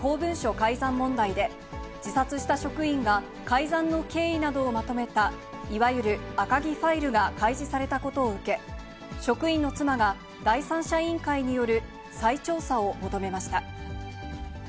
改ざん問題で、自殺した職員が改ざんの経緯などをまとめた、いわゆる赤木ファイルが開示されたことを受け、職員の妻が第三者委員会による再調査を求めました。